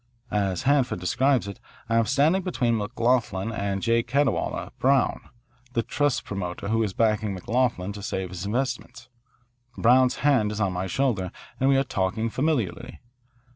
As Hanford described it, I am standing between McLoughlin and J. Cadwalader Brown, the trust promoter who is backing McLoughlin to save his investments. Brown's hand is on my shoulder and we are talking familiarly.